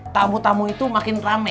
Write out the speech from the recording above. tamu tamu itu makin rame